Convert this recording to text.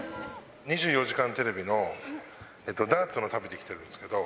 ２４時間テレビのダーツの旅で来てるんですけれども。